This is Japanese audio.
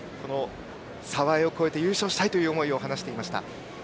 澤江を超えて優勝したいという思いを話していました。